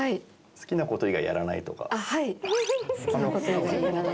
好きなこと以外やらないです。